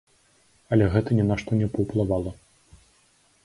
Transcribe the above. Але гэта ні на што не паўплывала.